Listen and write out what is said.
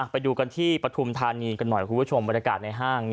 ไปดูกันที่ปฐุมธานีกันหน่อยคุณผู้ชมบรรยากาศในห้าง